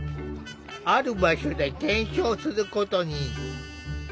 ある場所で検証することに。